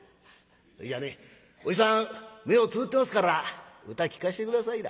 「それじゃあねおじさん目をつぶってますから歌聴かして下さいな」。